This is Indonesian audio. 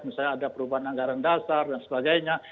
misalnya ada perubahan anggaran dasar dan sebagainya